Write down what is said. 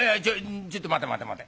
ちょっと待て待て待て。